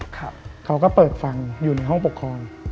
เขาก็เปิดฟังอยู่ในห้องปกครอง